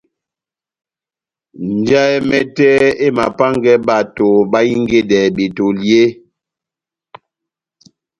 Njahɛ mɛtɛ emapángɛ bato bahingedɛ betoli eeeh ?